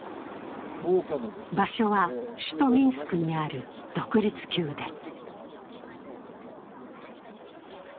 場所は首都ミンスクにある独立宮殿。